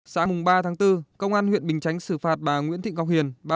sáng ba tháng bốn công an huyện bình chánh xử phạt bà nguyễn thị ngọc hiền